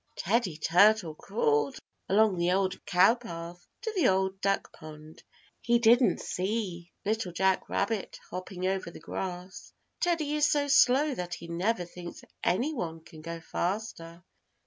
Teddy Turtle crawled along the Old Cow Path to the Old Duck Pond. He didn't see Little Jack Rabbit hopping over the grass. Teddy is so slow that he never thinks any one can go faster.